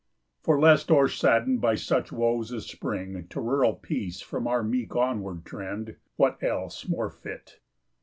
For, lest o'ersaddened by such woes as spring To rural peace from our meek onward trend, What else more fit?